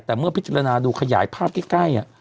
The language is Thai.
แต่เมื่อพิจารณาดูขยายภาพใกล้